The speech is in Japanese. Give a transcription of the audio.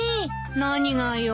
何がよ。